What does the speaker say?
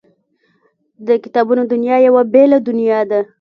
د کتابونو دنیا یوه بېله دنیا ده